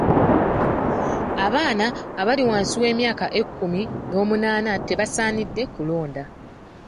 Abaana abali wansi w'emyaka ekkumi n'omunaana tebasaanidde kulonda.